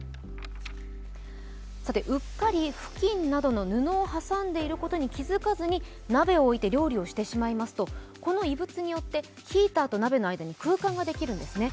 うっかり付近などの布を挟んでいることに気付かずに鍋を置いて料理をしてしまいますと、この異物によってヒーターと鍋の間に空間ができるんですね。